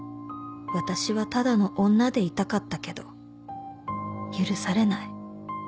「私はただの女でいたかったけど許されない」